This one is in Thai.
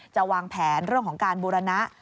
จะวางแผนเรื่องของการบูรณะ